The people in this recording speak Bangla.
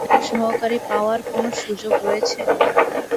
এখানে সহকারী পাওয়ার কোন সুযোগ রয়েছে?